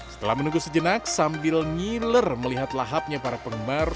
setelah menunggu sejenak sambil nyiler melihat lahapnya para penggemar